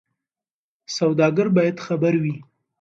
سوداګر باید خبر وي.